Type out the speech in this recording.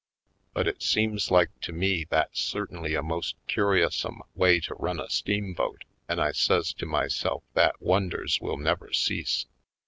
But it seems like to me that's certainly a most curi ousome way to run a steamboat and I says to myself that wonders will never cease!